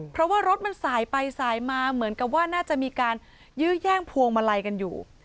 เพราะว่ารถมันสายไปสายมาเหมือนกับว่าน่าจะมีการยื้อแย่งพวงมาลัยกันอยู่